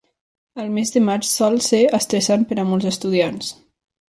El mes de maig sol ser estressant per a molts estudiants.